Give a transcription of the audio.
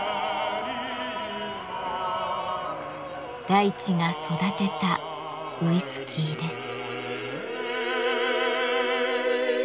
大地が育てたウイスキーです。